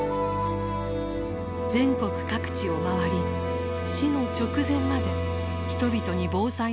全国各地を回り死の直前まで人々に防災の大切さを訴えた。